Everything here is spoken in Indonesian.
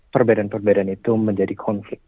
perbedaan perbedaan itu menjadi konflik